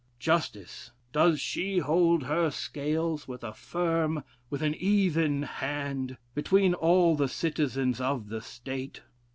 Justice, does she hold her scales with a firm, with an even hand, between all the citizens of the state?